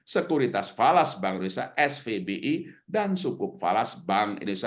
sekuritas falas bank indonesia svbi dan sukuk falas bank indonesia